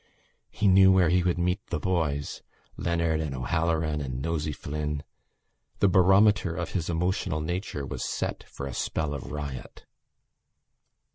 He knew where he would meet the boys: Leonard and O'Halloran and Nosey Flynn. The barometer of his emotional nature was set for a spell of riot.